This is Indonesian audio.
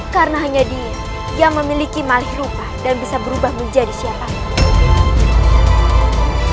karena hanya dia yang memiliki malih rupa dan bisa berubah menjadi siapapun